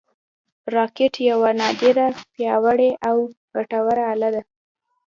راکټ یوه نادره، پیاوړې او ګټوره اله ده